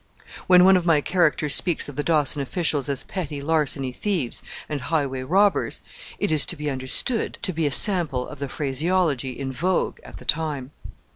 When one of my characters speaks of the Dawson officials as petty larceny thieves and highway robbers, it is to be understood to be a sample of the phraseology in vogue at the time.